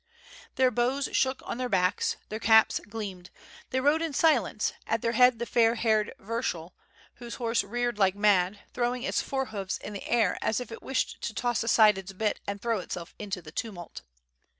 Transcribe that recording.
Their bows shook on their backs,, their caps gleamed — they rode in silence, at their head the fair haired Vyershul, whose horse reared like mad, throwing its forehoofs in the air as if it wished to toss aside its bit and throw itself into the tumult.